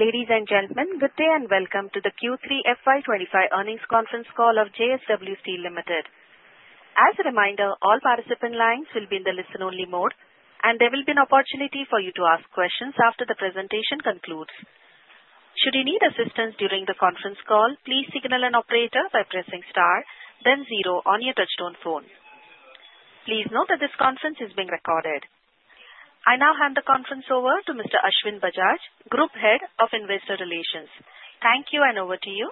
Ladies and gentlemen, good day and welcome to the Q3 FY25 earnings conference call of JSW Steel Limited. As a reminder, all participant lines will be in the listen-only mode, and there will be an opportunity for you to ask questions after the presentation concludes. Should you need assistance during the conference call, please signal an operator by pressing star, then zero on your touch-tone phone. Please note that this conference is being recorded. I now hand the conference over to Mr. Ashwin Bajaj, Group Head of Investor Relations. Thank you, and over to you.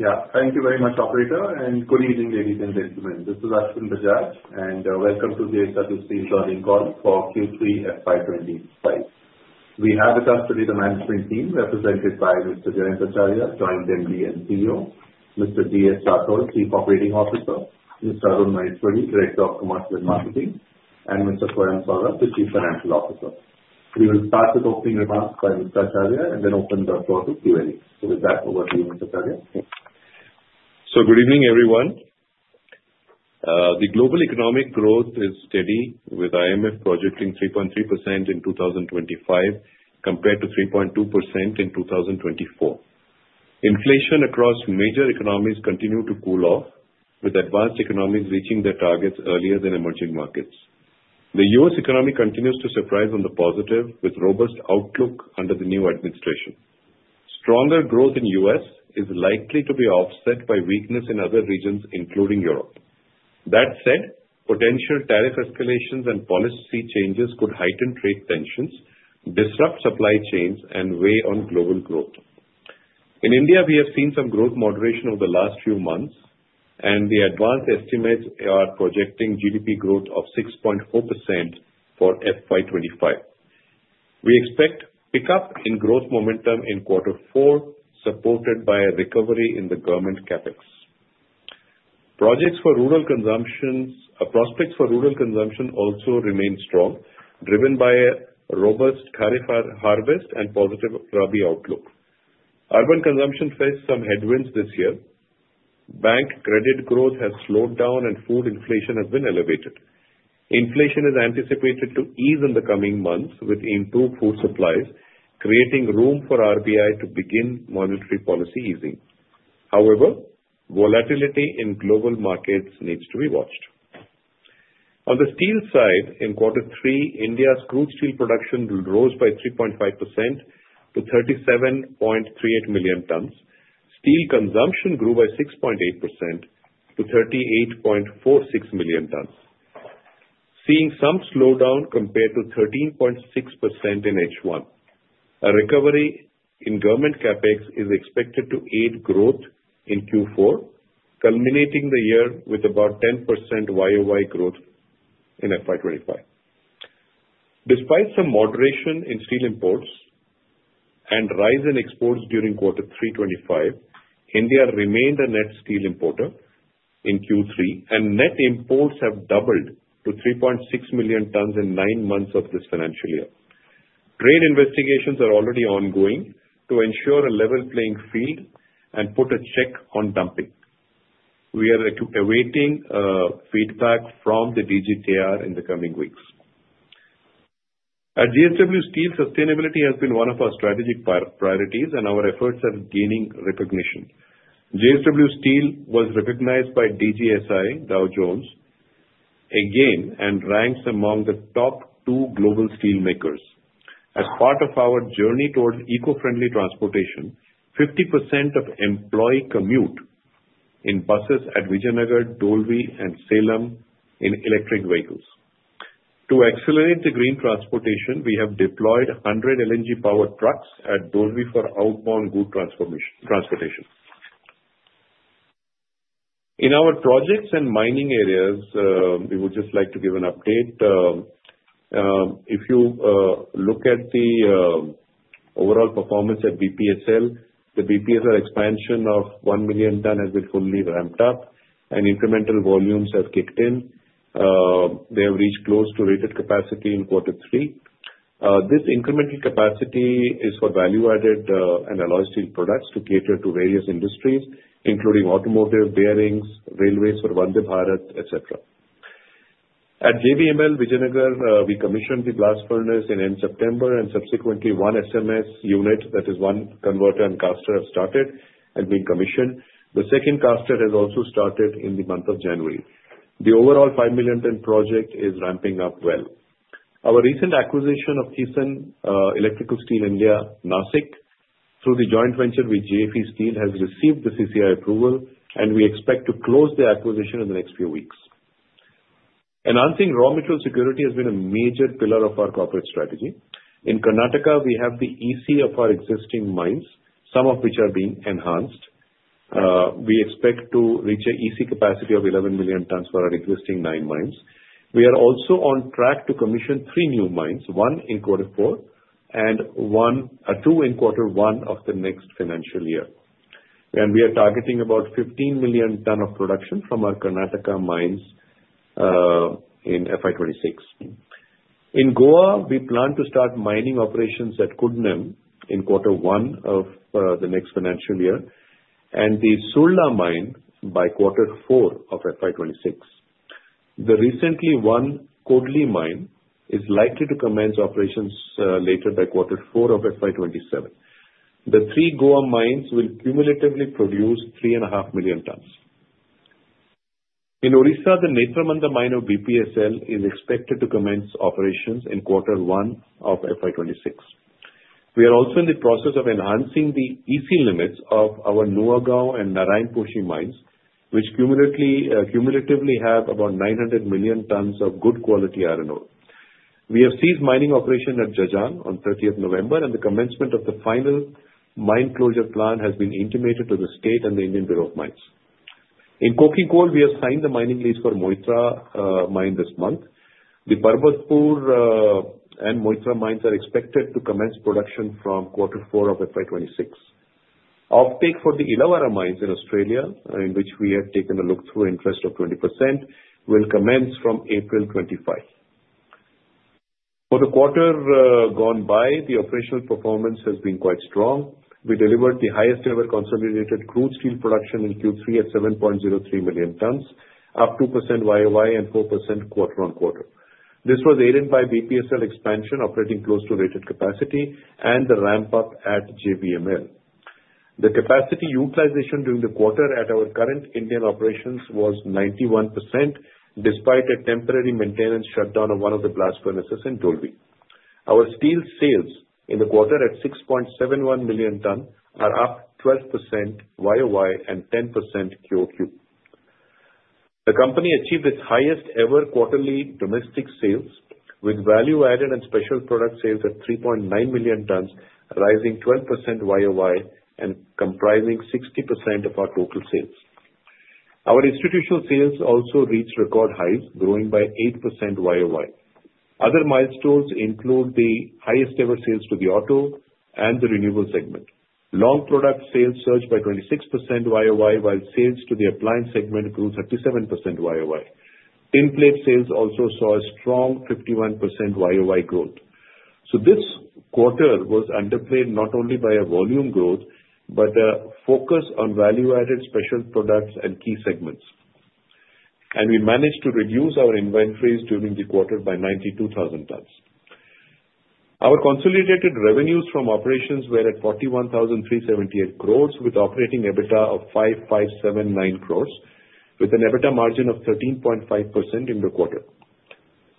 Yeah, thank you very much, Operator, and good evening, ladies and gentlemen. This is Ashwin Bajaj, and welcome to JSW Steel's earnings call for Q3 FY25. We have with us today the management team represented by Mr. Jayant Acharya, Joint MD and CEO, Mr. Singh Rathore, Chief Operating Officer, Mr. Arun Maheshwari, Director of Commercial and Marketing, and Mr. Swayam Saurabh, the Chief Financial Officer. We will start with opening remarks by Mr. Acharya and then open the floor to Q&A. So with that, over to you, Mr. Acharya. Good evening, everyone. The global economic growth is steady, with IMF projecting 3.3% in 2025 compared to 3.2% in 2024. Inflation across major economies continues to cool off, with advanced economies reaching their targets earlier than emerging markets. The U.S. economy continues to surprise on the positive, with robust outlook under the new administration. Stronger growth in the U.S. is likely to be offset by weakness in other regions, including Europe. That said, potential tariff escalations and policy changes could heighten trade tensions, disrupt supply chains, and weigh on global growth. In India, we have seen some growth moderation over the last few months, and the advanced estimates are projecting GDP growth of 6.4% for FY25. We expect pickup in growth momentum in Q4, supported by a recovery in the government CapEx. Prospects for rural consumption also remain strong, driven by robust Rabi harvest and positive Rabi outlook. Urban consumption faced some headwinds this year. Bank credit growth has slowed down, and food inflation has been elevated. Inflation is anticipated to ease in the coming months with improved food supplies, creating room for RBI to begin monetary policy easing. However, volatility in global markets needs to be watched. On the steel side, in Q3, India's crude steel production rose by 3.5% to 37.38 million tons. Steel consumption grew by 6.8% to 38.46 million tons, seeing some slowdown compared to 13.6% in H1. A recovery in government CapEx is expected to aid growth in Q4, culminating the year with about 10% growth in FY25. Despite some moderation in steel imports and rise in exports during Q3 FY25, India remained a net steel importer in Q3, and net imports have doubled to 3.6 million tons in nine months of this financial year. Trade investigations are already ongoing to ensure a level playing field and put a check on dumping. We are awaiting feedback from the DGTR in the coming weeks. At JSW Steel, sustainability has been one of our strategic priorities, and our efforts are gaining recognition. JSW Steel was recognized by DJSI, Dow Jones, again and ranks among the top two global steel makers. As part of our journey towards eco-friendly transportation, 50% of employee commute in buses at Vijayanagar, Dolvi, and Salem in electric vehicles. To accelerate the green transportation, we have deployed 100 LNG-powered trucks at Dolvi for outbound good transportation. In our projects and mining areas, we would just like to give an update. If you look at the overall performance at BPSL, the BPSL expansion of 1 million tons has been fully ramped up, and incremental volumes have kicked in. They have reached close to rated capacity in Q3. This incremental capacity is for value-added and alloy steel products to cater to various industries, including automotive, bearings, railways for Vande Bharat, etc. At JVML Vijayanagar, we commissioned the blast furnace in end September, and subsequently, one SMS unit that is one converter and caster have started and been commissioned. The second caster has also started in the month of January. The overall 5 million ton project is ramping up well. Our recent acquisition of Thyssenkrupp Electrical Steel India, Nashik, through the joint venture with JFE Steel, has received the CCI approval, and we expect to close the acquisition in the next few weeks. Enhancing raw material security has been a major pillar of our corporate strategy. In Karnataka, we have the EC of our existing mines, some of which are being enhanced. We expect to reach an EC capacity of 11 million tons for our existing nine mines. We are also on track to commission three new mines, one in Q4 and two in Q1 of the next financial year. We are targeting about 15 million tons of production from our Karnataka mines in FY26. In Goa, we plan to start mining operations at Kudnem in Q1 of the next financial year and the Surla mine by Q4 of FY26. The recently won Codli mine is likely to commence operations later by Q4 of FY27. The three Goa mines will cumulatively produce 3.5 million tons. In Odisha, the Netrabandha mine of BPSL is expected to commence operations in Q1 of FY26. We are also in the process of enhancing the EC limits of our Nuagaon and Narayanposhi mines, which cumulatively have about 900 million tons of good quality iron ore. We have ceased mining operation at Jajang on 30 November, and the commencement of the final mine closure plan has been intimated to the state and the Indian Bureau of Mines. In coking coal, we have signed the mining lease for Moitra mine this month. The Parbatpur and Moitra mines are expected to commence production from Q4 of FY26. Offtake for the Illawarra mines in Australia, in which we have taken a look through interest of 20%, will commence from April 2025. For the quarter gone by, the operational performance has been quite strong. We delivered the highest-ever consolidated crude steel production in Q3 at 7.03 million tons, up 2% YoY and 4% quarter-on-quarter. This was aided by BPSL expansion operating close to rated capacity and the ramp-up at JVML. The capacity utilization during the quarter at our current Indian operations was 91%, despite a temporary maintenance shutdown of one of the blast furnaces in Dolvi. Our steel sales in the quarter at 6.71 million tons are up 12% YoY and 10% QoQ. The company achieved its highest-ever quarterly domestic sales, with value-added and special product sales at 3.9 million tons, rising 12% YoY and comprising 60% of our total sales. Our institutional sales also reached record highs, growing by 8% YoY. Other milestones include the highest-ever sales to the auto and the renewable segment. Long product sales surged by 26% YoY, while sales to the appliance segment grew 37% YoY. Tinplace sales also saw a strong 51% YoY growth, so this quarter was underpinned not only by volume growth, but a focus on value-added special products and key segments. We managed to reduce our inventories during the quarter by 92,000 tons. Our consolidated revenues from operations were at 41,378 crores, with operating EBITDA of 5,579 crores, with an EBITDA margin of 13.5% in the quarter.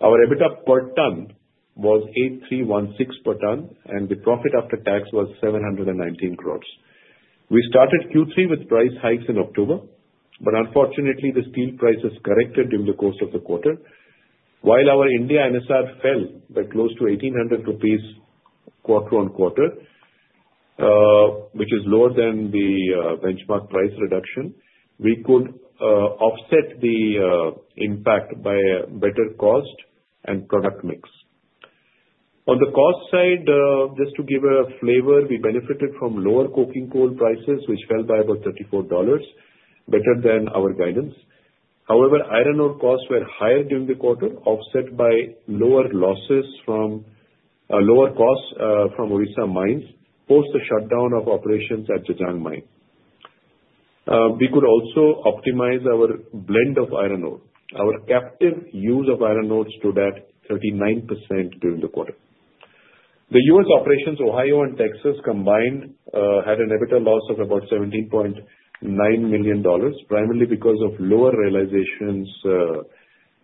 Our EBITDA per ton was 8,316 per ton, and the profit after tax was 719 crores. We started Q3 with price hikes in October, but unfortunately, the steel prices corrected during the course of the quarter. While our India NSR fell by close to 1,800 rupees quarter-on-quarter, which is lower than the benchmark price reduction, we could offset the impact by better cost and product mix. On the cost side, just to give a flavor, we benefited from lower coking coal prices, which fell by about $34, better than our guidance. However, iron ore costs were higher during the quarter, offset by lower costs from Odisha mines post the shutdown of operations at Jajang mine. We could also optimize our blend of iron ore. Our captive use of iron ore stood at 39% during the quarter. The U.S. operations in Ohio and Texas combined had an EBITDA loss of about $17.9 million, primarily because of lower realizations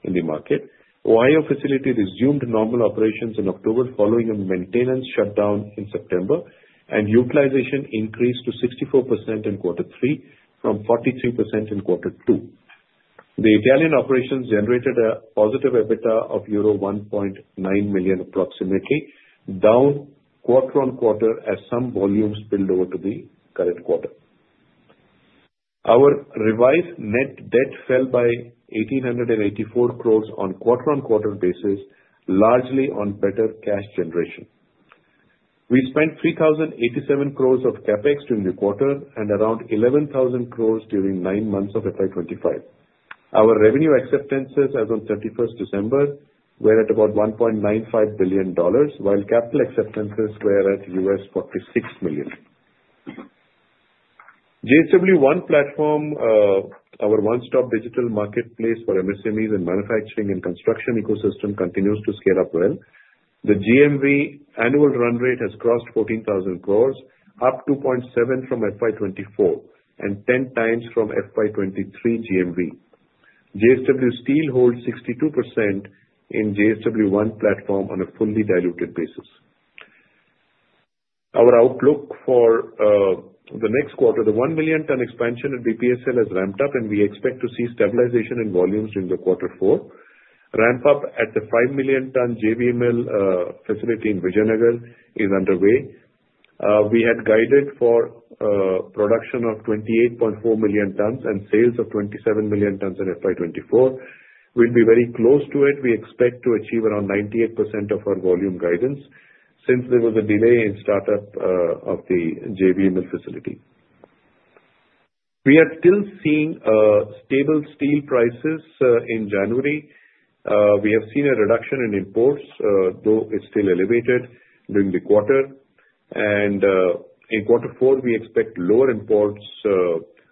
in the market. Ohio facility resumed normal operations in October following a maintenance shutdown in September, and utilization increased to 64% in Q3 from 43% in Q2. The Italian operations generated a positive EBITDA of euro 1.9 million approximately, down quarter-on-quarter as some volumes spilled over to the current quarter. Our revised net debt fell by 1,884 crores on quarter-on-quarter basis, largely on better cash generation. We spent 3,087 crores of CapEx during the quarter and around 11,000 crores during nine months of FY25. Our revenue acceptances, as of 31 December, were at about $1.95 billion, while capital acceptances were at $46 million. JSW One Platform, our one-stop digital marketplace for MSMEs in manufacturing and construction ecosystem, continues to scale up well. The GMV annual run rate has crossed 14,000 crores, up 2.7% from FY24 and 10 times from FY23 GMV. JSW Steel holds 62% in JSW One Platform on a fully diluted basis. Our outlook for the next quarter, the 1 million ton expansion at BPSL has ramped up, and we expect to see stabilization in volumes during Q4. Ramp-up at the 5 million ton JVML facility in Vijayanagar is underway. We had guided for production of 28.4 million tons and sales of 27 million tons in FY24. We'll be very close to it. We expect to achieve around 98% of our volume guidance since there was a delay in startup of the JVML facility. We are still seeing stable steel prices in January. We have seen a reduction in imports, though it's still elevated during the quarter. And in Q4, we expect lower imports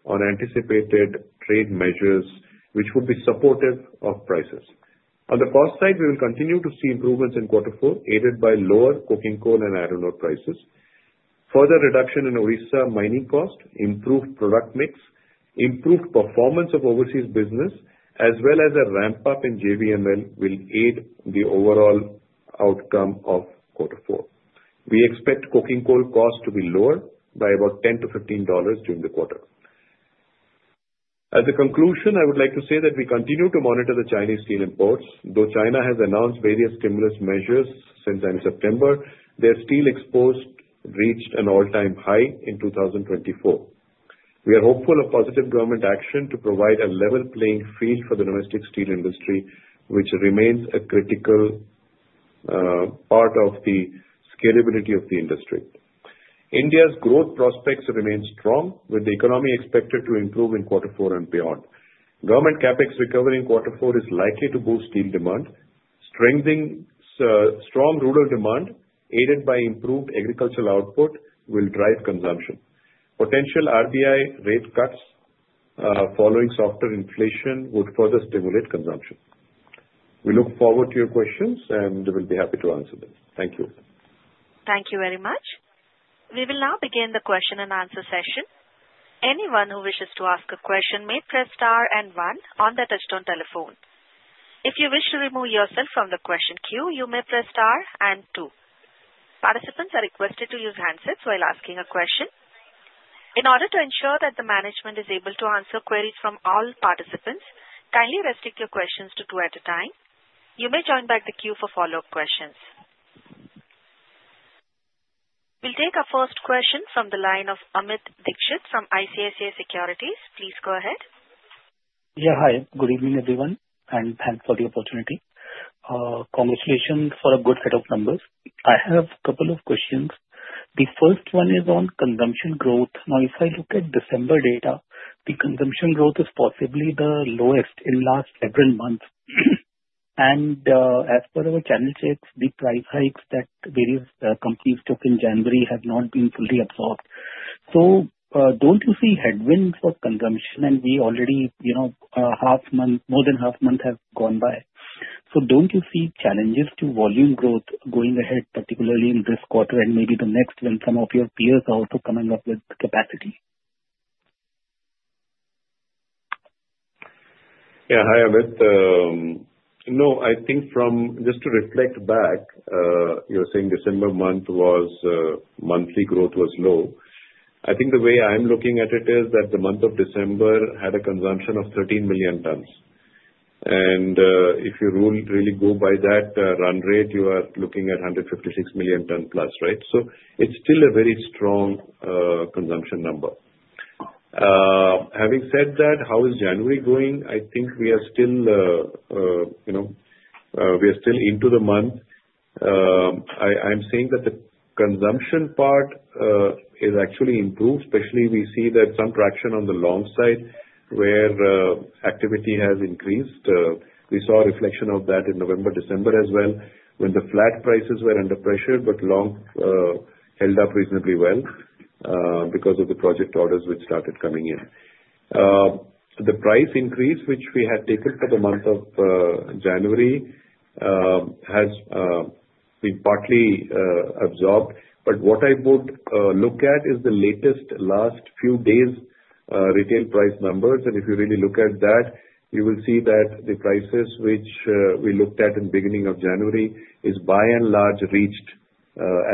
on anticipated trade measures, which would be supportive of prices. On the cost side, we will continue to see improvements in Q4, aided by lower coking coal and iron ore prices. Further reduction in Odisha mining cost, improved product mix, improved performance of overseas business, as well as a ramp-up in JVML will aid the overall outcome of Q4. We expect coking coal cost to be lower by about $10-$15 during the quarter. As a conclusion, I would like to say that we continue to monitor the Chinese steel imports. Though China has announced various stimulus measures since end September, their steel exports reached an all-time high in 2024. We are hopeful of positive government action to provide a level playing field for the domestic steel industry, which remains a critical part of the scalability of the industry. India's growth prospects remain strong, with the economy expected to improve in Q4 and beyond. Government CapEx recovery in Q4 is likely to boost steel demand. Strengthening strong rural demand, aided by improved agricultural output, will drive consumption. Potential RBI rate cuts following softer inflation would further stimulate consumption. We look forward to your questions, and we'll be happy to answer them. Thank you. Thank you very much. We will now begin the question and answer session. Anyone who wishes to ask a question may press star and one on the touch-tone telephone. If you wish to remove yourself from the question queue, you may press star and two. Participants are requested to use handsets while asking a question. In order to ensure that the management is able to answer queries from all participants, kindly restrict your questions to two at a time. You may join back the queue for follow-up questions. We'll take our first question from the line of Amit Dixit from ICICI Securities. Please go ahead. Yeah, hi. Good evening, everyone, and thanks for the opportunity. Congratulations for a good set of numbers. I have a couple of questions. The first one is on consumption growth. Now, if I look at December data, the consumption growth is possibly the lowest in the last several months. And as per our channel checks, the price hikes that various companies took in January have not been fully absorbed. So don't you see headwinds for consumption? And we already have more than half a month have gone by. So don't you see challenges to volume growth going ahead, particularly in this quarter and maybe the next when some of your peers are also coming up with capacity? Yeah, hi, Amit. No, I think just to reflect back, you're saying December month monthly growth was low. I think the way I'm looking at it is that the month of December had a consumption of 13 million tons. And if you really go by that run rate, you are looking at 156 million tons plus, right? So it's still a very strong consumption number. Having said that, how is January going? I think we are still into the month. I'm saying that the consumption part is actually improved, especially we see that some traction on the long side where activity has increased. We saw a reflection of that in November, December as well, when the flat prices were under pressure, but long held up reasonably well because of the project orders which started coming in. The price increase, which we had taken for the month of January, has been partly absorbed, but what I would look at is the last few days' retail price numbers, and if you really look at that, you will see that the prices which we looked at in the beginning of January is by and large reached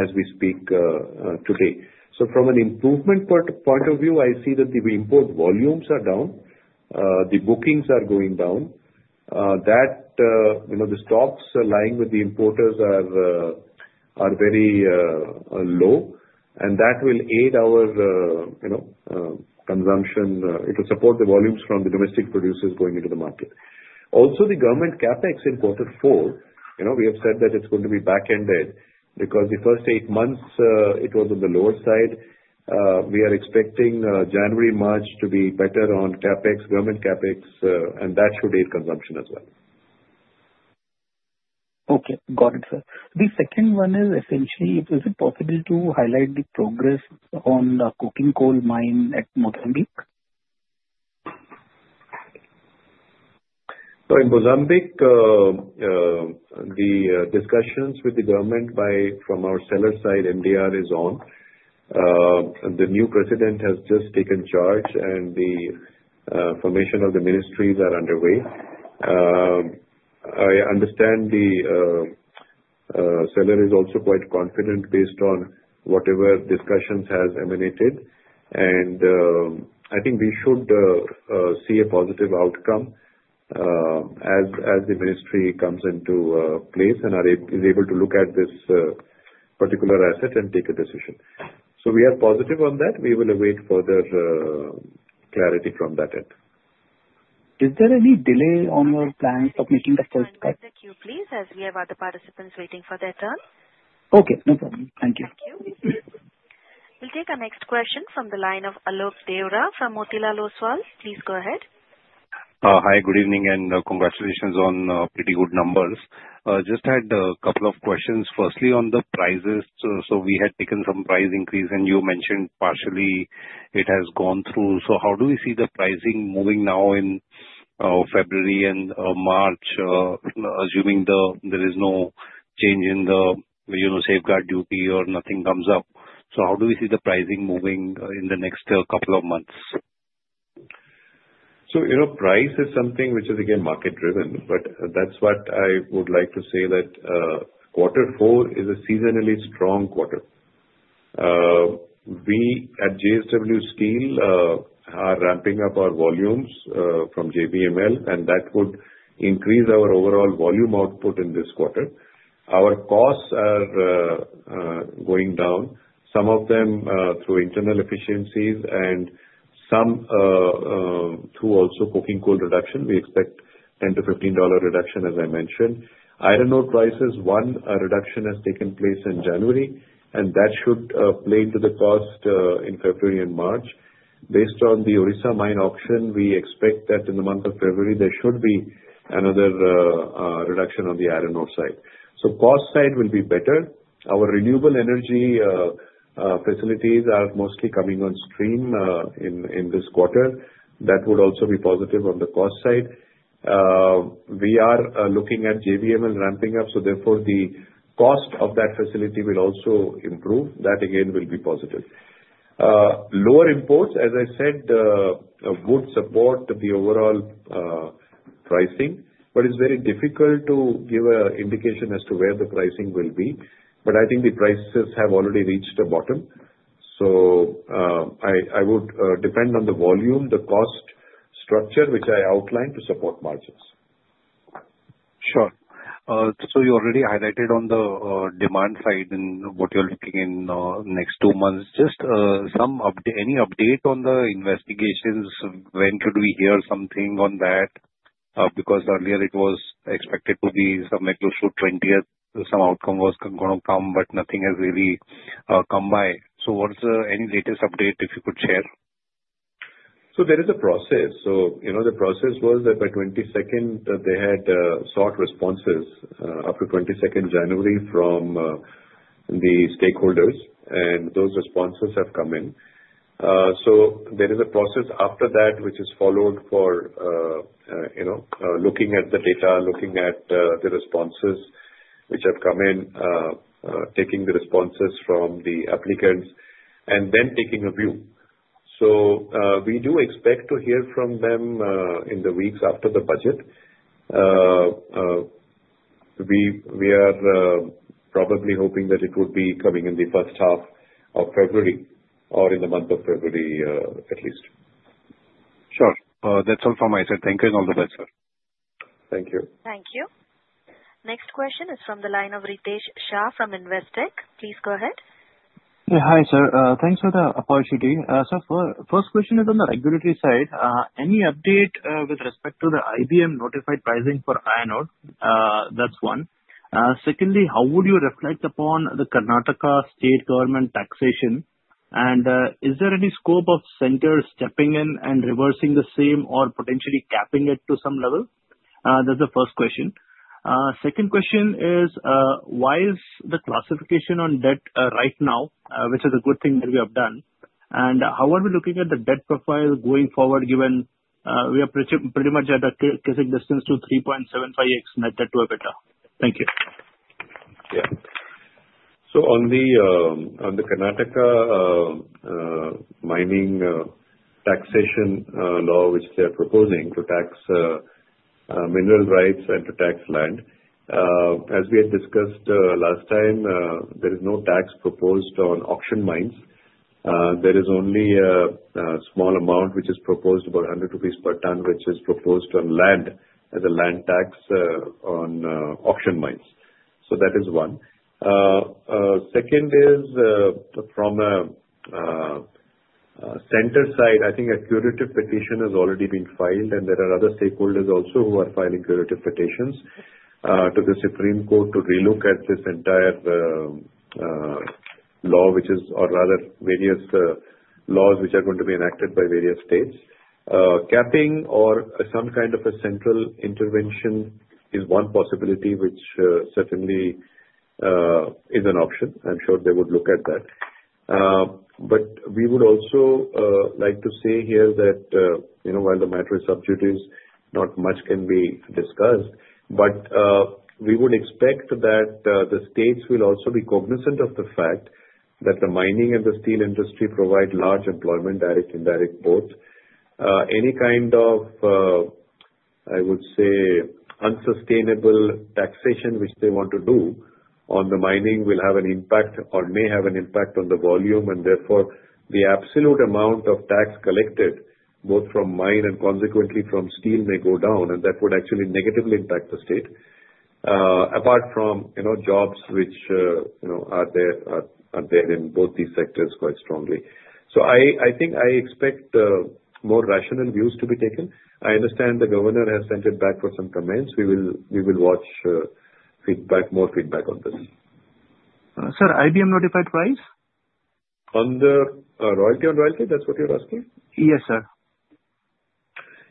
as we speak today, so from an improvement point of view, I see that the import volumes are down, and the bookings are going down. That the stocks lying with the importers are very low, and that will aid our consumption. It will support the volumes from the domestic producers going into the market. Also, the government CapEx in Q4, we have said that it's going to be back-ended because the first eight months it was on the lower side. We are expecting January, March to be better on CapEx, government CapEx, and that should aid consumption as well. Okay. Got it, sir. The second one is essentially, is it possible to highlight the progress on the Coking Coal mine at Mozambique? So in Mozambique, the discussions with the government from our seller side, MDR, is on. The new president has just taken charge, and the formation of the ministries is underway. I understand the seller is also quite confident based on whatever discussions have emanated. I think we should see a positive outcome as the ministry comes into place and is able to look at this particular asset and take a decision. So we are positive on that. We will await further clarity from that end. Is there any delay on your plans of making the first cut? I'll check with you, please, as we have other participants waiting for their turn. Okay. No problem. Thank you. Thank you. We'll take our next question from the line of Alok Deora from Motilal Oswal. Please go ahead. Hi, good evening, and congratulations on pretty good numbers. Just had a couple of questions, firstly on the prices. So we had taken some price increase, and you mentioned partially it has gone through. So how do we see the pricing moving now in February and March, assuming there is no change in the safeguard duty or nothing comes up? So how do we see the pricing moving in the next couple of months? So price is something which is, again, market-driven. But that's what I would like to say that Q4 is a seasonally strong quarter. We at JSW Steel are ramping up our volumes from JVML, and that would increase our overall volume output in this quarter. Our costs are going down, some of them through internal efficiencies and some through also coking coal reduction. We expect $10-$15 reduction, as I mentioned. Iron ore prices, one reduction has taken place in January, and that should play into the cost in February and March. Based on the Odisha mine auction, we expect that in the month of February, there should be another reduction on the iron ore side. So cost side will be better. Our renewable energy facilities are mostly coming on stream in this quarter. That would also be positive on the cost side. We are looking at JVML ramping up, so therefore the cost of that facility will also improve. That, again, will be positive. Lower imports, as I said, would support the overall pricing, but it's very difficult to give an indication as to where the pricing will be. But I think the prices have already reached a bottom. So I would depend on the volume, the cost structure, which I outlined to support margins. Sure. So you already highlighted on the demand side and what you're looking in the next two months. Just any update on the investigations? When could we hear something on that? Because earlier, it was expected to be some 20th, some outcome was going to come, but nothing has really come by. So what's any latest update if you could share? So there is a process. So the process was that by 22nd, they had sought responses up to 22nd January from the stakeholders, and those responses have come in. So there is a process after that which is followed for looking at the data, looking at the responses which have come in, taking the responses from the applicants, and then taking a view. So we do expect to hear from them in the weeks after the budget. We are probably hoping that it would be coming in the first half of February or in the month of February at least. Sure. That's all from my side. Thank you and all the best, sir. Thank you. Thank you. Next question is from the line of Ritesh Shah from Investec. Please go ahead. Yeah, hi, sir. Thanks for the opportunity. So first question is on the regulatory side. Any update with respect to the IBM notified pricing for iron ore? That's one. Secondly, how would you reflect upon the Karnataka state government taxation? And is there any scope of the central government stepping in and reversing the same or potentially capping it to some level? That's the first question. Second question is, why is the deleveraging on debt right now, which is a good thing that we have done? And how are we looking at the debt profile going forward, given we are pretty much at a cadence of 3.75x net debt to EBITDA? Thank you. Yeah. So on the Karnataka mining taxation law, which they are proposing to tax mineral rights and to tax land, as we had discussed last time, there is no tax proposed on auction mines. There is only a small amount which is proposed, about 100 rupees per ton, which is proposed on land as a land tax on auction mines. So that is one. Second is, from a center side, I think a curative petition has already been filed, and there are other stakeholders also who are filing curative petitions to the Supreme Court to relook at this entire law, which is, or rather, various laws which are going to be enacted by various states. Capping or some kind of a central intervention is one possibility, which certainly is an option. I'm sure they would look at that. But we would also like to say here that while the matter is subjective, not much can be discussed, but we would expect that the states will also be cognizant of the fact that the mining and the steel industry provide large employment, direct, indirect, both. Any kind of, I would say, unsustainable taxation which they want to do on the mining will have an impact or may have an impact on the volume, and therefore the absolute amount of tax collected, both from mine and consequently from steel, may go down, and that would actually negatively impact the state, apart from jobs which are there in both these sectors quite strongly. So I think I expect more rational views to be taken. I understand the governor has sent it back for some comments. We will watch more feedback on this. Sir, IBM notified price? On the royalty on royalty, that's what you're asking? Yes, sir.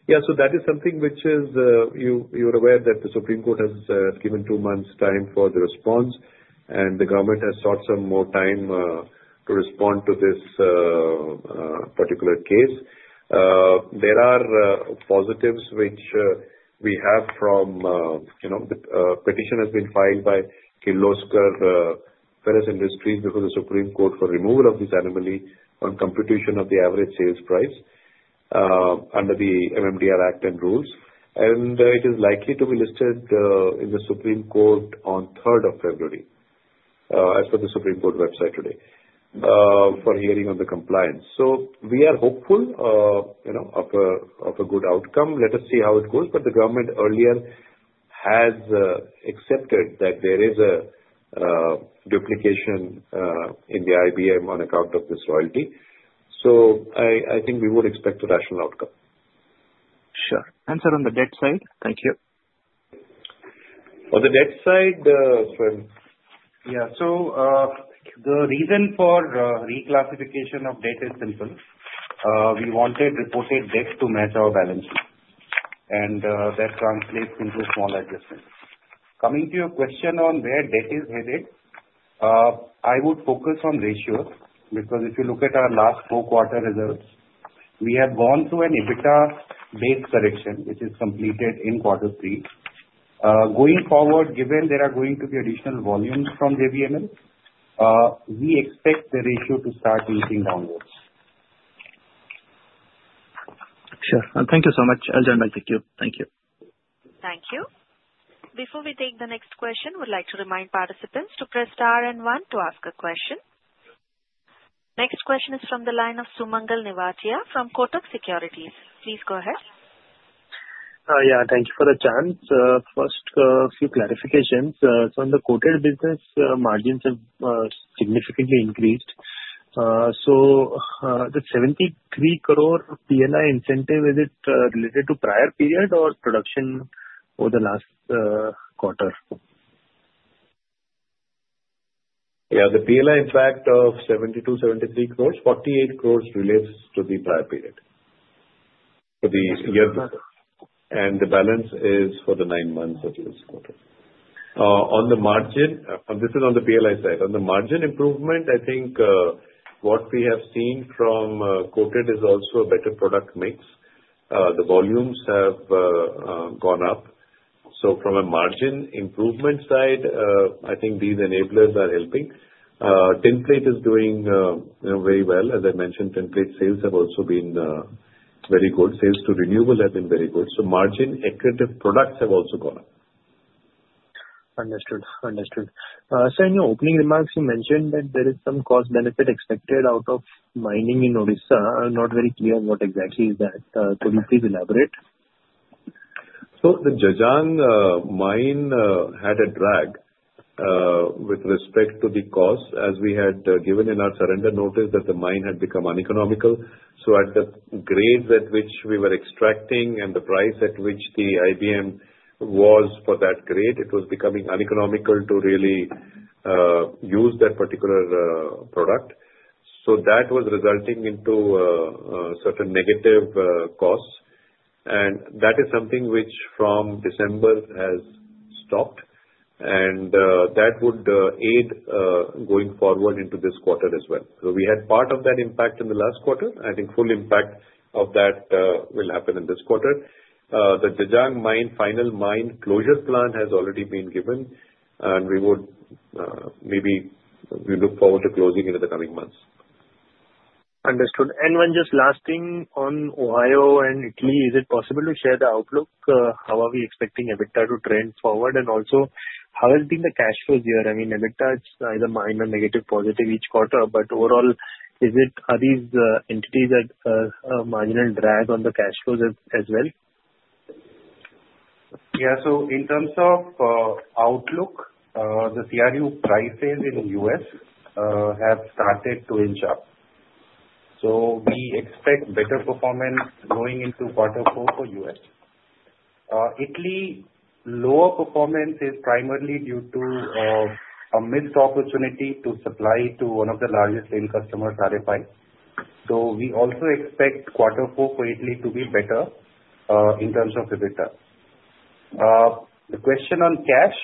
Yeah, so that is something which is you're aware that the Supreme Court has given two months' time for the response, and the government has sought some more time to respond to this particular case. There are positives which we have from the petition has been filed by Kirloskar Ferrous Industries before the Supreme Court for removal of this anomaly on computation of the average sales price under the MMDR Act and rules. And it is likely to be listed in the Supreme Court on 3rd of February as per the Supreme Court website today for hearing on the compliance. So we are hopeful of a good outcome. Let us see how it goes. But the government earlier has accepted that there is a duplication in the IBM on account of this royalty. So I think we would expect a rational outcome. Sure. And, sir, on the debt side? Thank you. On the debt side, sir? Yeah. So the reason for reclassification of debt is simple. We wanted reported debt to match our balance sheet, and that translates into small adjustments. Coming to your question on where debt is headed, I would focus on ratios because if you look at our last four quarter results, we have gone through an EBITDA-based correction, which is completed in Q3. Going forward, given there are going to be additional volumes from JVML, we expect the ratio to start easing downwards. Sure. Thank you so much, Jayant. Thank you. Thank you. Thank you. Before we take the next question, we'd like to remind participants to press star and one to ask a question. Next question is from the line of Sumangal Nevatia from Kotak Securities. Please go ahead. Yeah. Thank you for the chance. First, a few clarifications. So in the coated business, margins have significantly increased. So the 73 crore PLI incentive, is it related to prior period or production over the last quarter? Yeah. The PLI impact of 72-73 crores, 48 crores relates to the prior period, to the year before. And the balance is for the nine months of this year. On the margin, this is on the PLI side. On the margin improvement, I think what we have seen from coated is also a better product mix. The volumes have gone up. So from a margin improvement side, I think these enablers are helping. Tinplate is doing very well. As I mentioned, tinplate sales have also been very good. Sales to renewables have been very good. So margin-accretive products have also gone up. Understood. Understood. Sir, in your opening remarks, you mentioned that there is some cost-benefit expected out of mining in Odisha. I'm not very clear on what exactly is that. Could you please elaborate? So the Jajang mine had a drag with respect to the cost, as we had given in our surrender notice that the mine had become uneconomical. So at the grade at which we were extracting and the price at which the IBM was for that grade, it was becoming uneconomical to really use that particular product. So that was resulting into certain negative costs. And that is something which from December has stopped, and that would aid going forward into this quarter as well. So we had part of that impact in the last quarter. I think full impact of that will happen in this quarter. The Jajang mine final mine closure plan has already been given, and we would maybe look forward to closing in the coming months. Understood. And one just last thing on Ohio and Italy. Is it possible to share the outlook? How are we expecting EBITDA to trend forward? And also, how has been the cash flows here? I mean, EBITDA is either minor, negative, positive each quarter. But overall, are these entities at a marginal drag on the cash flows as well? Yeah. So in terms of outlook, the CRU prices in the U.S. have started to inch up. So we expect better performance going into Q4 for US. Italy, lower performance is primarily due to a missed opportunity to supply to one of the largest steel customers, RFI. So we also expect Q4 for Italy to be better in terms of EBITDA. The question on cash,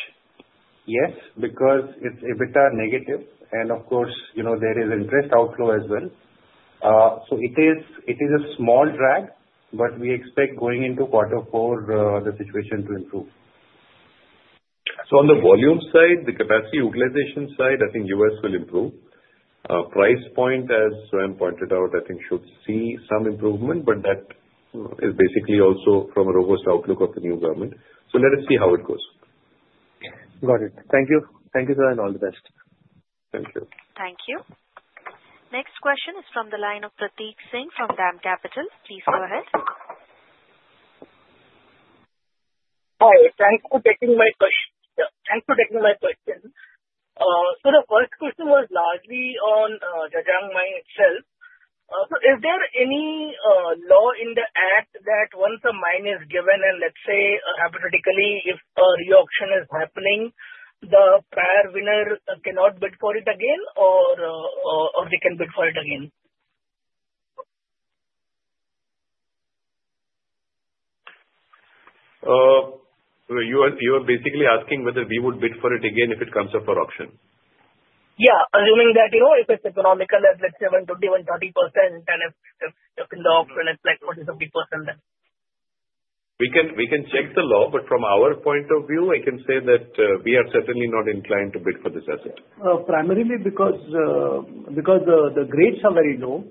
yes, because it's EBITDA negative. And of course, there is interest outflow as well. So it is a small drag, but we expect going into Q4, the situation to improve. So on the volume side, the capacity utilization side, I think U.S. will improve. Price point, as Swayam pointed out, I think should see some improvement, but that is basically also from a robust outlook of the new government. So let us see how it goes. Got it. Thank you. Thank you, sir, and all the best. Thank you. Thank you. Next question is from the line of Prateek Singh from DAM Capital. Please go ahead. Hi. Thanks for taking my question. Yeah. Thanks for taking my question. So the first question was largely on Jajang mine itself. So, is there any law in the act that once a mine is given and, let's say hypothetically, if a re-auction is happening, the prior winner cannot bid for it again, or they can bid for it again? You are basically asking whether we would bid for it again if it comes up for auction? Yeah. Assuming that if it's economical, let's say 120%-130%, and if in the auction, it's like 40%-50%, then. We can check the law, but from our point of view, I can say that we are certainly not inclined to bid for this asset. Primarily because the grades are very low,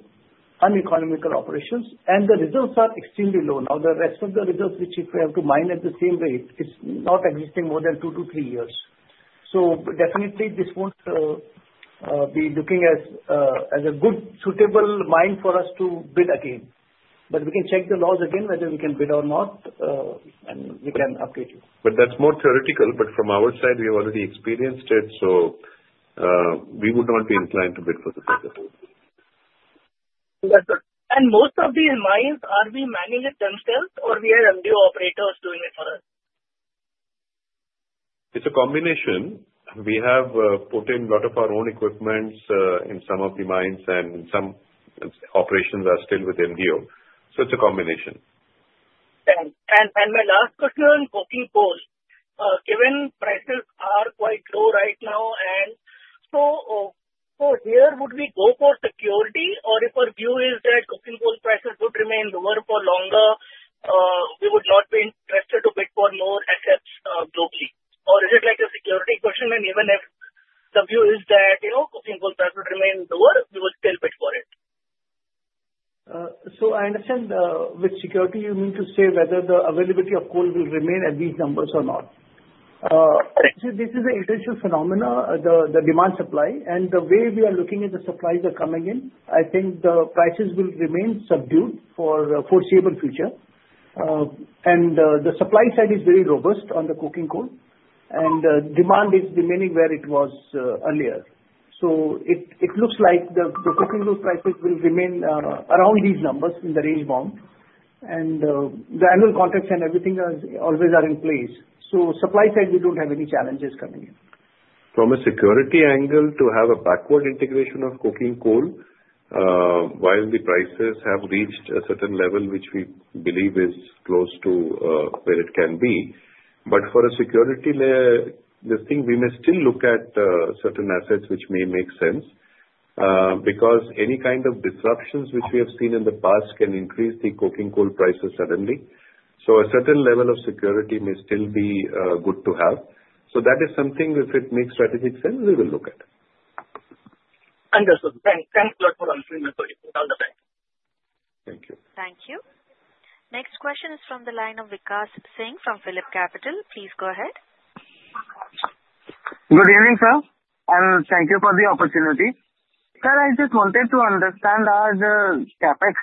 uneconomical operations, and the results are extremely low. Now, the rest of the results, which if we have to mine at the same rate, it's not existing more than two to three years. So definitely, this won't be looking as a good, suitable mine for us to bid again. But we can check the laws again, whether we can bid or not, and we can update you. But that's more theoretical. But from our side, we have already experienced it, so we would not be inclined to bid for this asset. And most of these mines, are we mining it themselves, or we have MDO operators doing it for us? It's a combination. We have put in a lot of our own equipment in some of the mines, and some operations are still with MDO. So it's a combination. And my last question on coking coals. Given prices are quite low right now, and so here would we go for security, or if our view is that coking coal prices would remain lower for longer, we would not be interested to bid for more assets globally? Or is it like a security question? And even if the view is that coking coal prices remain lower, we will still bid for it. So I understand with security, you mean to say whether the availability of coal will remain at these numbers or not. This is an interesting phenomenon, the demand-supply. And the way we are looking at the supplies that are coming in, I think the prices will remain subdued for the foreseeable future. And the supply side is very robust on the coking coal, and demand is remaining where it was earlier. So it looks like the coking coal prices will remain around these numbers in the range-bound. And the annual contracts and everything always are in place. So supply side, we don't have any challenges coming in. From a security angle, to have a backward integration of coking coal while the prices have reached a certain level, which we believe is close to where it can be. But for a security layer, I think we may still look at certain assets which may make sense because any kind of disruptions which we have seen in the past can increase the coking coal prices suddenly. So a certain level of security may still be good to have. So that is something, if it makes strategic sense, we will look at. Understood. Thanks a lot for answering my question. All the best. Thank you. Thank you. Next question is from the line of Vikash Singh from Phillip Capital. Please go ahead. Good evening, sir. And thank you for the opportunity. Sir, I just wanted to understand our CapEx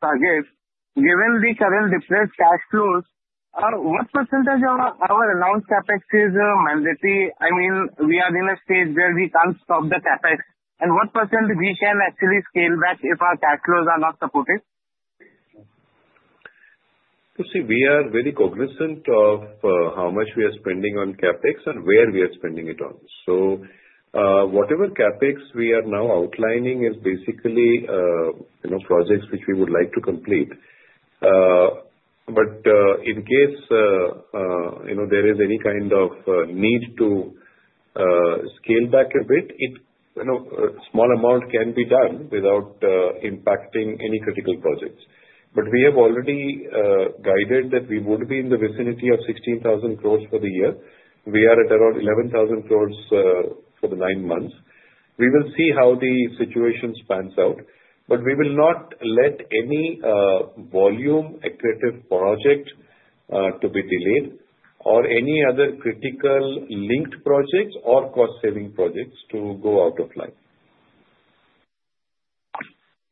target. Given the current depressed cash flows, what percentage of our announced CapEx is mandatory? I mean, we are in a stage where we can't stop the CapEx. And what % we can actually scale back if our cash flows are not supported? You see, we are very cognizant of how much we are spending on CapEx and where we are spending it on. So whatever CapEx we are now outlining is basically projects which we would like to complete. But in case there is any kind of need to scale back a bit, a small amount can be done without impacting any critical projects. But we have already guided that we would be in the vicinity of 16,000 crores for the year. We are at around 11,000 crores for the nine months. We will see how the situation pans out. But we will not let any volume equivalent project to be delayed or any other critical linked projects or cost-saving projects to go out of line.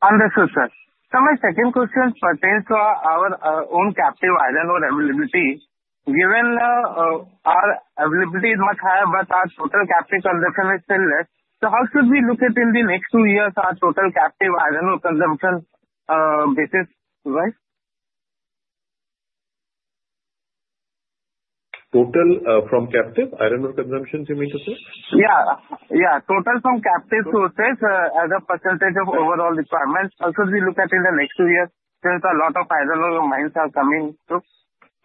Understood, sir. So my second question pertains to our own captive iron ore availability. Given our availability is much higher, but our total captive consumption is still less, so how should we look at in the next two years our total captive iron ore consumption basis-wise? Total from captive iron ore consumption, you mean to say? Yeah. Yeah. Total from captive sources as a percentage of overall requirements. How should we look at in the next two years since a lot of iron ore mines are coming through?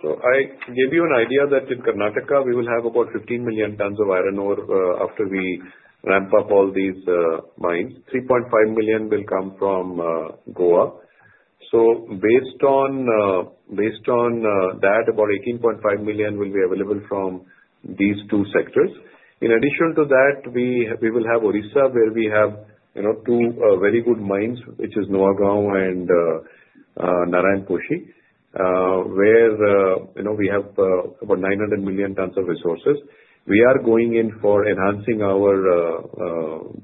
So I gave you an idea that in Karnataka, we will have about 15 million tons of iron ore after we ramp up all these mines. 3.5 million will come from Goa. So based on that, about 18.5 million will be available from these two sectors. In addition to that, we will have Odisha, where we have two very good mines, which is Nuagaon and Narayanposhi, where we have about 900 million tons of resources. We are going in for enhancing our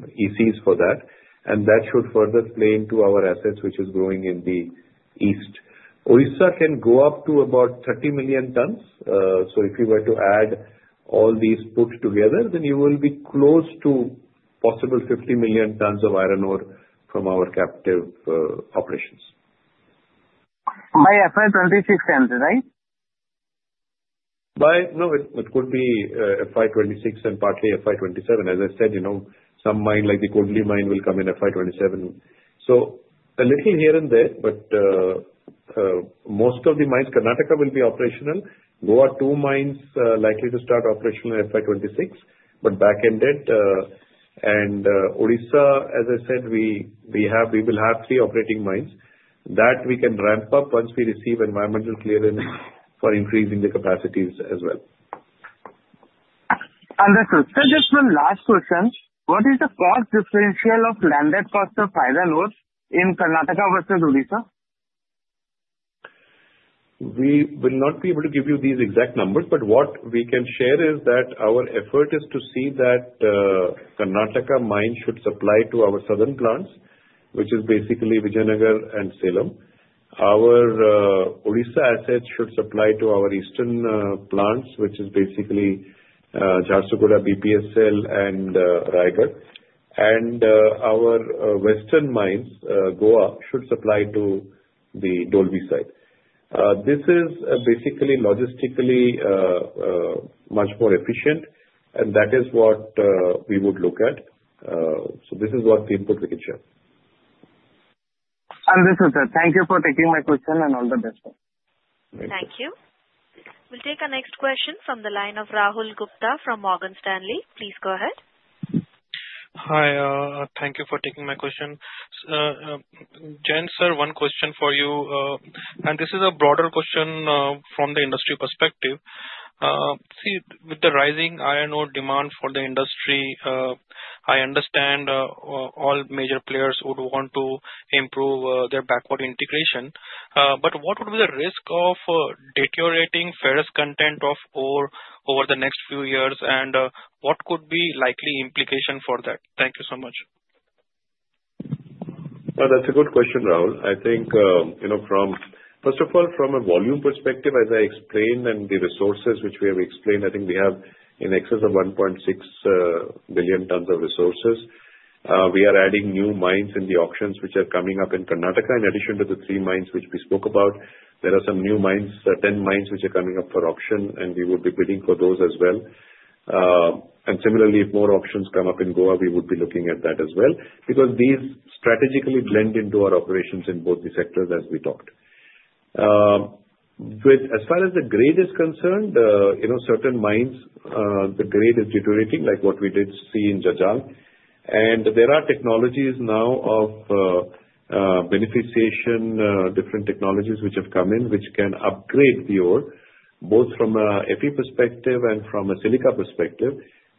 ECs for that, and that should further play into our assets, which is growing in the east. Odisha can go up to about 30 million tons. So if you were to add all these put together, then you will be close to possible 50 million tons of iron ore from our captive operations. By FY26 end, right? No. It could be FY26 and partly FY27. As I said, some mines like the Kodli mine will come in FY27. So a little here and there, but most of the mines, Karnataka will be operational. Goa two mines likely to start operational FY26, but back-ended. And Odisha, as I said, we will have three operating mines. That we can ramp up once we receive environmental clearance for increasing the capacities as well. Understood. Sir, just one last question. What is the cost differential of landed cost of iron ore in Karnataka versus Odisha? We will not be able to give you these exact numbers, but what we can share is that our effort is to see that Karnataka mine should supply to our southern plants, which is basically Vijayanagar and Salem. Our Odisha assets should supply to our eastern plants, which is basically Jharsuguda, BPSL, and Rengali. Our western mines, Goa, should supply to the Dolvi side. This is basically logistically much more efficient, and that is what we would look at. This is what the input we can share. Understood, sir. Thank you for taking my question and all the best. Thank you. We'll take our next question from the line of Rahul Gupta from Morgan Stanley. Please go ahead. Hi. Thank you for taking my question. Jayant sir, one question for you. This is a broader question from the industry perspective. See, with the rising iron ore demand for the industry, I understand all major players would want to improve their backward integration, but what would be the risk of deteriorating ferrous content of ore over the next few years, and what could be likely implication for that? Thank you so much. That's a good question, Rahul. I think, first of all, from a volume perspective, as I explained, and the resources which we have explained, I think we have in excess of 1.6 billion tons of resources. We are adding new mines in the auctions which are coming up in Karnataka. In addition to the three mines which we spoke about, there are some new mines, 10 mines which are coming up for auction, and we would be bidding for those as well. And similarly, if more auctions come up in Goa, we would be looking at that as well because these strategically blend into our operations in both the sectors as we talked. As far as the grade is concerned, certain mines, the grade is deteriorating, like what we did see in Jajang. There are technologies now of beneficiation, different technologies which have come in, which can upgrade the ore, both from an FE perspective and from a silica perspective,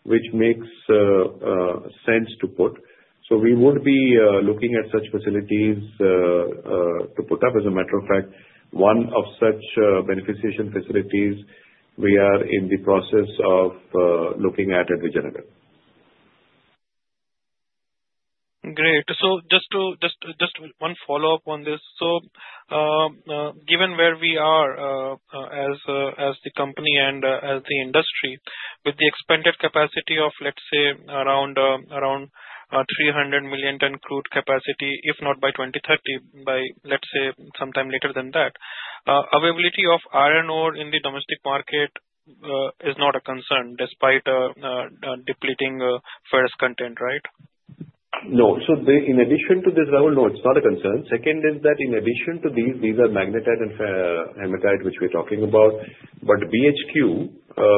which makes sense to put. So we would be looking at such facilities to put up. As a matter of fact, one of such beneficiation facilities, we are in the process of looking at at Vijayanagar. Great. So just one follow-up on this. So given where we are as the company and as the industry, with the expected capacity of, let's say, around 300 million ton crude capacity, if not by 2030, by, let's say, sometime later than that, availability of iron ore in the domestic market is not a concern despite depleting ferrous content, right? No. So in addition to this, Rahul, no, it's not a concern. Second is that in addition to these, these are magnetite and hematite which we're talking about. But BHQ,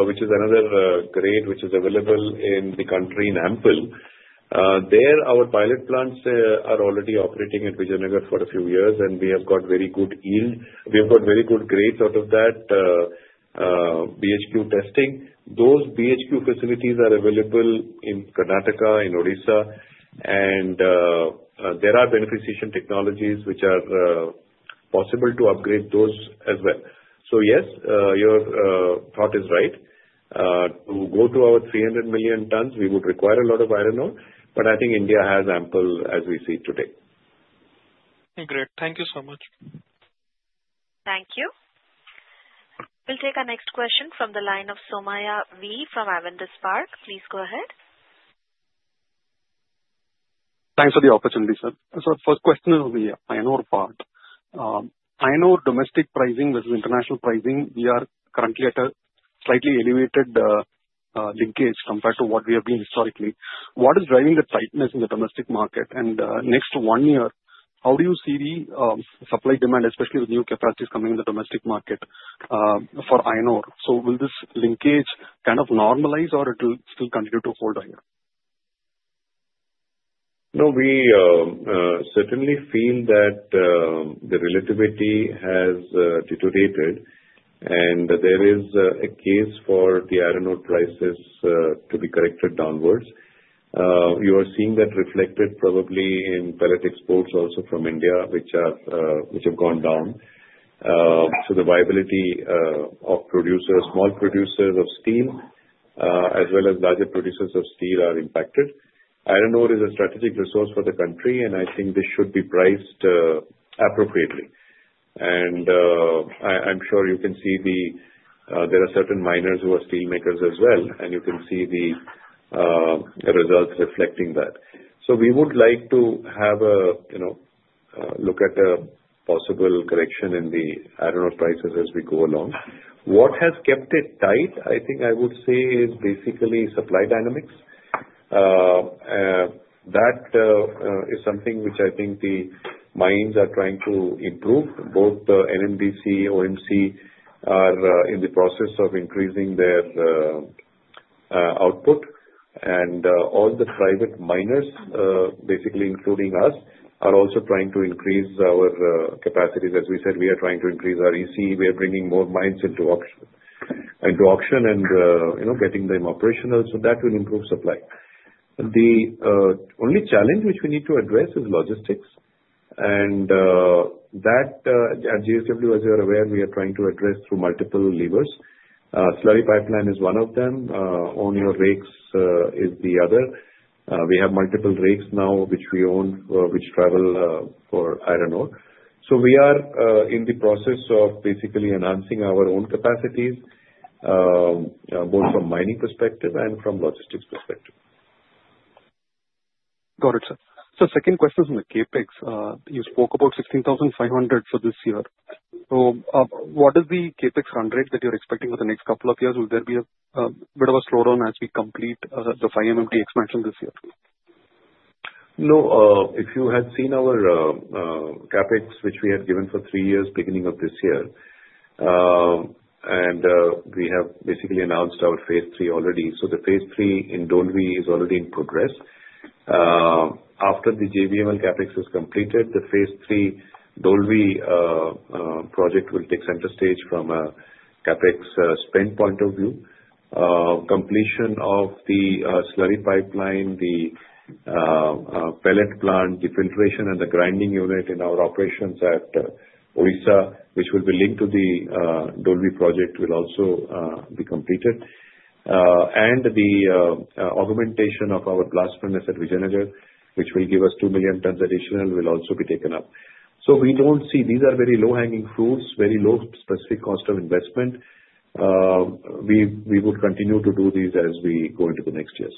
which is another grade which is available in the country in ample. There, our pilot plants are already operating at Vijayanagar for a few years, and we have got very good yield. We have got very good grades out of that BHQ testing. Those BHQ facilities are available in Karnataka, in Odisha, and there are beneficiation technologies which are possible to upgrade those as well. So yes, your thought is right. To go to our 300 million tons, we would require a lot of iron ore, but I think India has ample as we see today. Great. Thank you so much. Thank you. We'll take our next question from the line of Somaiah V from Avendus Spark. Please go ahead. Thanks for the opportunity, sir. First question is on the iron ore part. I know domestic pricing versus international pricing, we are currently at a slightly elevated linkage compared to what we have been historically. What is driving the tightness in the domestic market? And next one year, how do you see the supply demand, especially with new capacities coming in the domestic market for iron ore? So will this linkage kind of normalize, or it will still continue to hold here? No, we certainly feel that the relativity has deteriorated, and there is a case for the iron ore prices to be corrected downwards. You are seeing that reflected probably in pellet exports also from India, which have gone down. The viability of small producers of steel, as well as larger producers of steel, are impacted. Iron ore is a strategic resource for the country, and I think this should be priced appropriately. I'm sure you can see there are certain miners who are steelmakers as well, and you can see the results reflecting that. We would like to have a look at a possible correction in the iron ore prices as we go along. What has kept it tight, I think I would say, is basically supply dynamics. That is something which I think the mines are trying to improve. Both NMDC, OMC are in the process of increasing their output. All the private miners, basically including us, are also trying to increase our capacities. As we said, we are trying to increase our EC. We are bringing more mines into auction and getting them operational so that will improve supply. The only challenge which we need to address is logistics. At JSW, as you are aware, we are trying to address through multiple levers. Slurry pipeline is one of them. Own rakes is the other. We have multiple rakes now which we own which travel for iron ore. We are in the process of basically enhancing our own capacities, both from mining perspective and from logistics perspective. Got it, sir. The second question is on the CapEx. You spoke about 16,500 for this year. What is the CapEx run rate that you're expecting for the next couple of years? Will there be a bit of a slowdown as we complete the 5 MTPA expansion this year? No. If you had seen our CapEx, which we had given for three years beginning of this year, and we have basically announced our phase IIII already. The phase III in Dolvi is already in progress. After the JVML CapEx is completed, the phase III Dolvi project will take center stage from a CapEx spend point of view. Completion of the slurry pipeline, the pellet plant, the filtration, and the grinding unit in our operations at Odisha, which will be linked to the Dolvi project, will also be completed. The augmentation of our blast furnace at Vijayanagar, which will give us two million tons additional, will also be taken up. We don't see these are very low-hanging fruits, very low specific cost of investment. We would continue to do these as we go into the next years.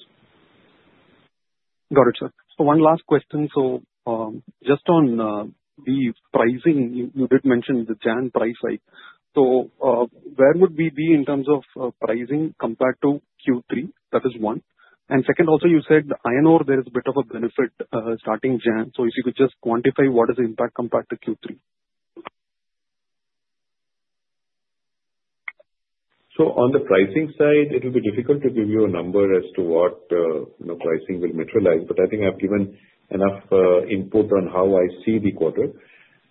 Got it, sir. One last question. Just on the pricing, you did mention the HRC price hike. Where would we be in terms of pricing compared to Q3? That is one. Second, also you said iron ore, there is a bit of a benefit starting January. So if you could just quantify what is the impact compared to Q3. So on the pricing side, it will be difficult to give you a number as to what pricing will materialize, but I think I've given enough input on how I see the quarter.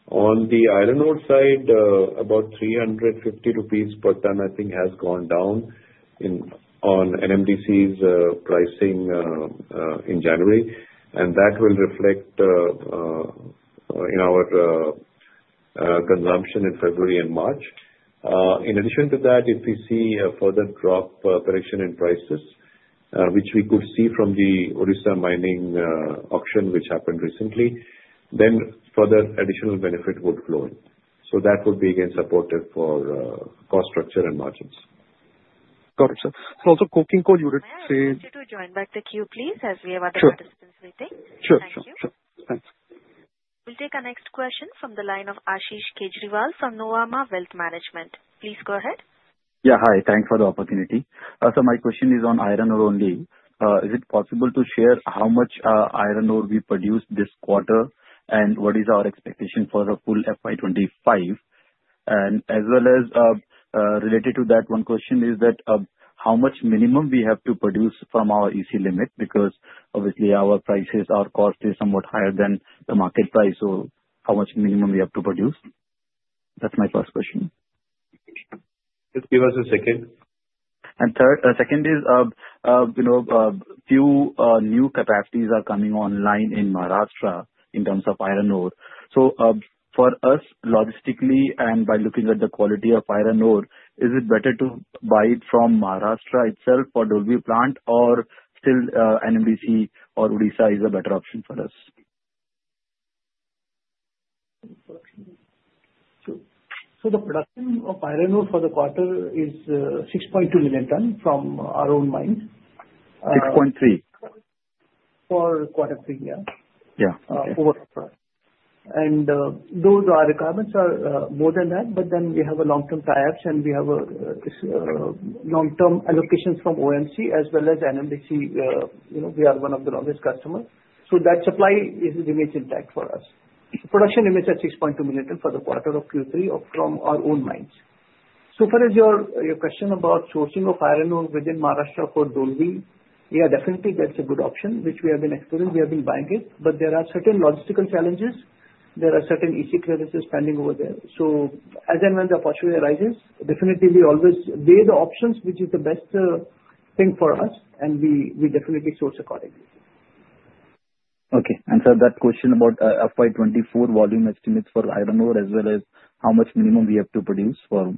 On the iron ore side, about 350 rupees per ton, I think, has gone down on NMDC's pricing in January, and that will reflect in our consumption in February and March. In addition to that, if we see a further drop, correction in prices, which we could see from the Odisha mining auction which happened recently, then further additional benefit would flow in. So that would be, again, supportive for cost structure and margins. Got it, sir. So also coking coal, you would say. I want you to join back the queue, please, as we have other participants waiting. Sure. Sure. Sure. Thanks. We'll take our next question from the line of Ashish Kejriwal from Nuvama Wealth Management. Please go ahead. Yeah. Hi. Thanks for the opportunity. So my question is on iron ore only. Is it possible to share how much iron ore we produce this quarter and what is our expectation for a full FY25? And as well as related to that, one question is that how much minimum we have to produce from our EC limit because obviously our prices, our cost is somewhat higher than the market price. So how much minimum we have to produce? That's my first question. Just give us a second. And second is a few new capacities are coming online in Maharashtra in terms of iron ore. So for us, logistically and by looking at the quality of iron ore, is it better to buy it from Maharashtra itself for Dolvi plant, or still NMDC or Odisha is a better option for us? So the production of iron ore for the quarter is 6.2 million tons from our own mines. For Q3? For Q3, yeah. Yeah. And those requirements are more than that, but then we have a long-term linkage and we have long-term allocations from OMC as well as NMDC. We are one of the longest customers. So that supply is remains intact for us. Production remains at 6.2 million tons for the quarter of Q3 from our own mines. So for your question about sourcing of iron ore within Maharashtra for Dolvi, yeah, definitely that's a good option, which we have been exploring. We have been buying it, but there are certain logistical challenges. There are certain EC clearances pending over there. So as and when the opportunity arises, definitely we always weigh the options, which is the best thing for us, and we definitely source accordingly. Okay. And sir that question about FY24 volume estimates for iron ore as well as how much minimum we have to produce for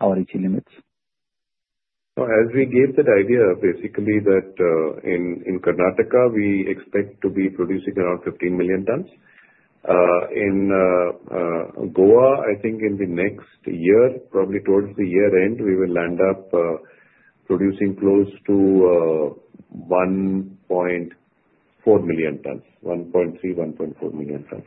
our EC limits. So as we gave that idea, basically that in Karnataka, we expect to be producing around 15 million tons. In Goa, I think in the next year, probably towards the year end, we will land up producing close to 1.4 million tons, 1.3, 1.4 million tons.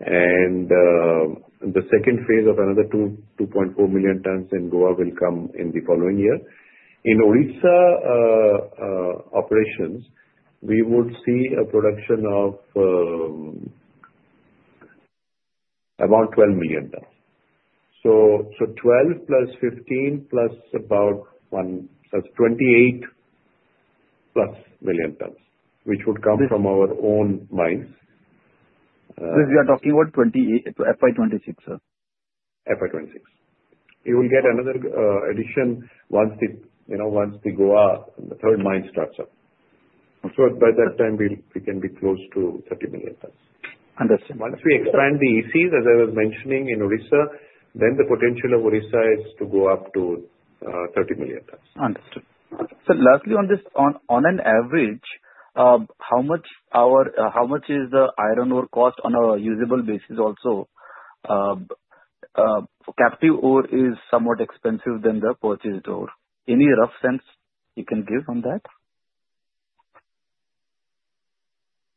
And the phase II of another 2.4 million tons in Goa will come in the following year. In Odisha operations, we would see a production of about 12 million tons. So 12 plus 15 plus about 28 plus million tons, which would come from our own mines. So you are talking about FY26, sir? FY26. You will get another addition once the Goa third mine starts up. So by that time, we can be close to 30 million tons. Understood. Once we expand the ECs, as I was mentioning in Odisha, then the potential of Odisha is to go up to 30 million tons. Understood. So lastly, on an average, how much is the iron ore cost on a usable basis also? Captive ore is somewhat expensive than the purchased ore. Any rough sense you can give on that?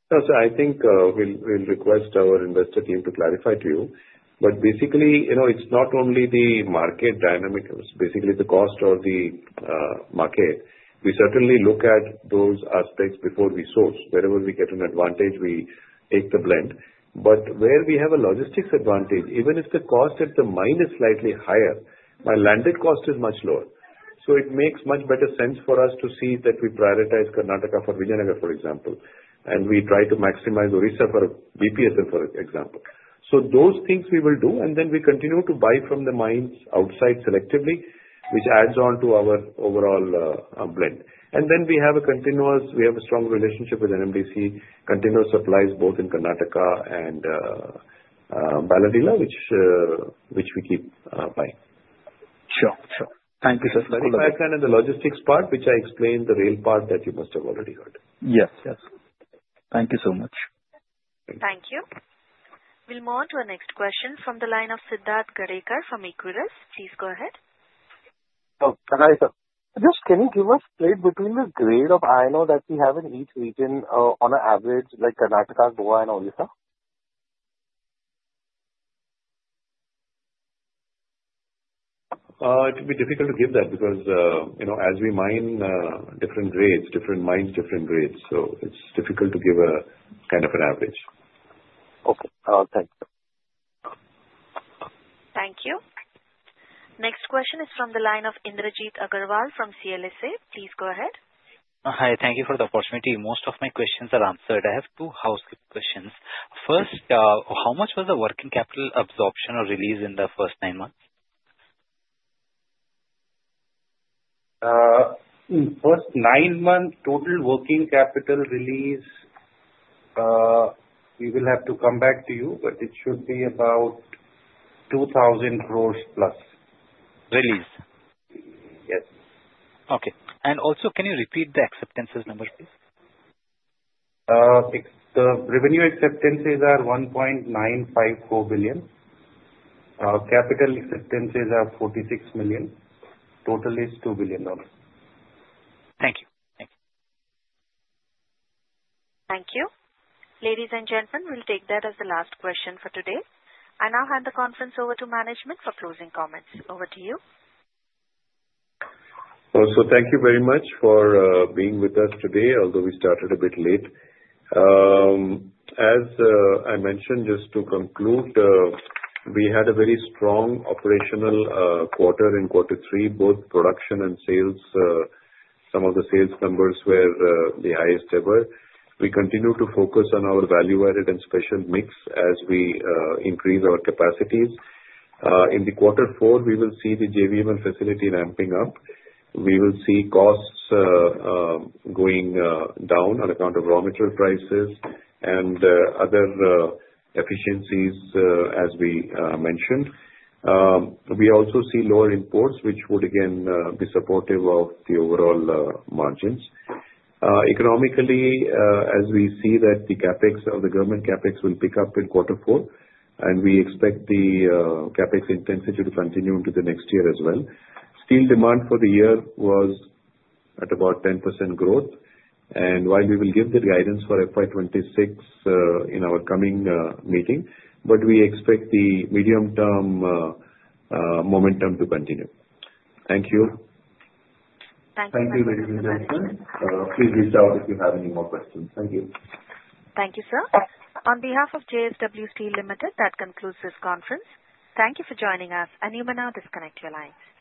So I think we'll request our investor team to clarify to you. But basically, it's not only the market dynamic, basically the cost or the market. We certainly look at those aspects before we source. Wherever we get an advantage, we take the blend. But where we have a logistics advantage, even if the cost at the mine is slightly higher, my landed cost is much lower. So it makes much better sense for us to prioritize Karnataka for Vijayanagar, for example, and we try to maximize Odisha for BPSL, for example. So those things we will do, and then we continue to buy from the mines outside selectively, which adds on to our overall blend. And then we have continuous supplies. We have a strong relationship with NMDC, continuous supplies both in Karnataka and Bailadila, which we keep buying. Sure. Sure. Thank you, sir. So that is the logistics part, which I explained. The rail part that you must have already heard. Yes. Yes. Thank you so much. Thank you. We'll move on to our next question from the line of Siddharth Gadekar from Equirus. Please go ahead. Hello. Hello, sir. Just can you give us a split between the grade of iron ore that we have in each region on an average, like Karnataka, Goa, and Odisha? It would be difficult to give that because as we mine different grades, different mines, different grades. So it's difficult to give a kind of an average. Okay. Thank you. Thank you. Next question is from the line of Indrajit Agarwal from CLSA. Please go ahead. Hi. Thank you for the opportunity. Most of my questions are answered. I have two housekeeping questions. First, how much was the working capital absorption or release in the first nine months? In the first nine months, total working capital release, we will have to come back to you, but it should be about 2,000 crores plus. Release? Yes. Okay. And also, can you repeat the acceptances number, please? The revenue acceptances are $1.954 billion. Capital acceptances are $46 million. Total is $2 billion. Thank you. Thank you. Thank you. Ladies and gentlemen, we'll take that as the last question for today. I now hand the conference over to management for closing comments. Over to you. So thank you very much for being with us today, although we started a bit late. As I mentioned, just to conclude, we had a very strong operational quarter in Q3, both production and sales. Some of the sales numbers were the highest ever. We continue to focus on our value-added and special mix as we increase our capacities. In the Q4, we will see the JVML facility ramping up. We will see costs going down on account of raw material prices and other efficiencies, as we mentioned. We also see lower imports, which would, again, be supportive of the overall margins. Economically, as we see that the CapEx of the government CapEx will pick up in Q4, and we expect the CapEx intensity to continue into the next year as well. Steel demand for the year was at about 10% growth. And while we will give the guidance for FY26 in our coming meeting, but we expect the medium-term momentum to continue. Thank you. Thank you. Thank you, ladies and gentlemen. Please reach out if you have any more questions. Thank you. Thank you, sir. On behalf of JSW Steel Limited, that concludes this conference. Thank you for joining us, and you may now disconnect your lines.